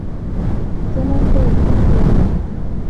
زه نن په روغتون کی یم.